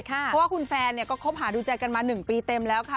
เพราะว่าคุณแฟนก็คบหาดูใจกันมา๑ปีเต็มแล้วค่ะ